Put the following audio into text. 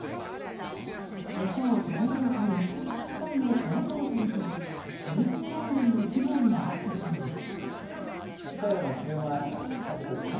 餌を食べられたり機械を壊されたりと数十万円の被害があったそうです。